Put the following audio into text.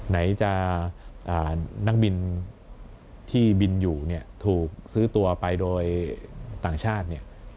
ไหนจะนักบินที่บินอยู่เนี่ยถูกซื้อตัวไปโดยต่างชาติเนี่ย